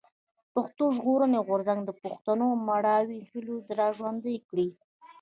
پښتون ژغورني غورځنګ د پښتنو مړاوي هيلې را ژوندۍ کړې.